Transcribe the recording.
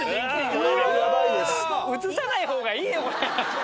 映さない方がいいよこれ。